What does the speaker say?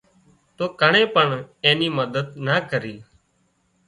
تو ڪڻين پڻ اين مدد نا ڪرِي